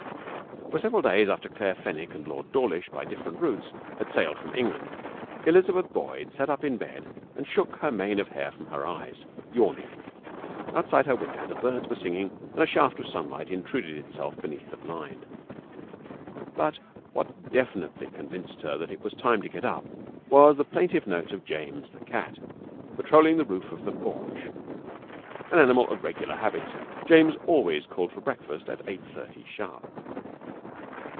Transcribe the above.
Several days after Claire Fenwick and Lord Dawlish, by different routes, had sailed from England, Elizabeth Boyd sat up in bed and shook her mane of hair from her eyes, yawning. Outside her window the birds were singing, and a shaft of sunlight intruded itself beneath the blind. But what definitely convinced her that it was time to get up was the plaintive note of James, the cat, patrolling the roof of the porch. An animal of regular habits, James always called for breakfast at eight thirty sharp.